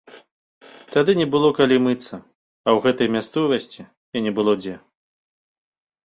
Тады не было калі мыцца, а ў гэтай мясцовасці і не было дзе.